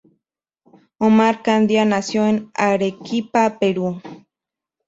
Omar Candia nació en Arequipa, Perú.